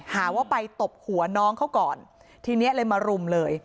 หาว่าไปตบหัวน้องเขาก่อนทีนี้เลยมารุมเลย